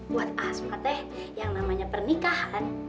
buat asma teh yang namanya pernikahan